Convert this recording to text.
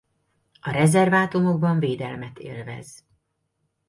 A rezervátumokban védelmet élvez.